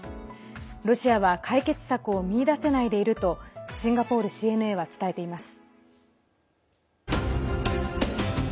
ロシアは解決策を見出せないでいるとシンガポールＣＮＡは伝えています。